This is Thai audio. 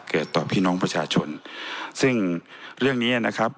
เกิดต่อพี่น้องประชาชนซึ่งเรื่องเนี้ยนะครับ